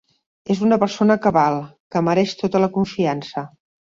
És una persona cabal, que mereix tota la confiança.